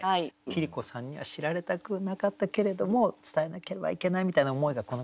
桐子さんには知られたくなかったけれども伝えなければいけないみたいな思いがこの句になったんでしょうかね。